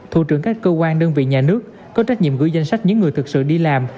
thủ trưởng các cơ quan đơn vị nhà nước có trách nhiệm gửi danh sách những người thực sự đi làm